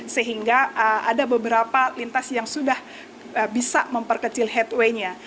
sehingga ada beberapa lintas yang sudah bisa memperkecil headway nya